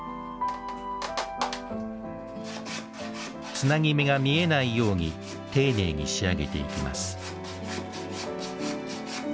つなぎ目が見えないように丁寧に仕上げていきます